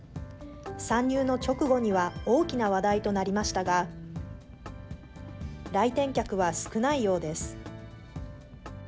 参入の直後には大きな話題となりましたが、来店客は少ないようです。